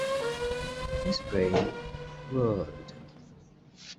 His brain whirled.